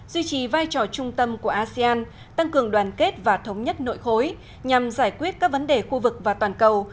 duy trì vai trò trung tâm của asean tăng cường đoàn kết và thống nhất nội khối nhằm giải quyết các vấn đề khu vực và toàn cầu